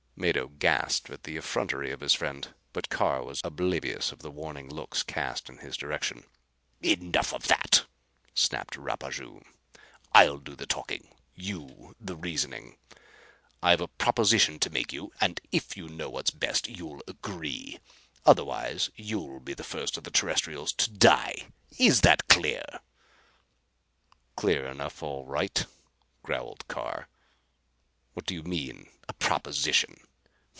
Mado gasped at the effrontery of his friend. But Carr was oblivious of the warning looks cast in his direction. "Enough of that!" snapped Rapaju. "I'll do the talking you the reasoning. I've a proposition to make to you, and if you know what's best, you'll agree. Otherwise you'll be first of the Terrestrials to die. Is that clear?" "Clear enough, all right," growled Carr. "What do you mean a proposition?"